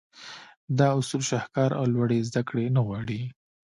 دا اصول شهکار او لوړې زدهکړې نه غواړي.